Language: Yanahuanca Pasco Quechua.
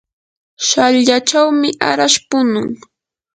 shallachawmi arash punun.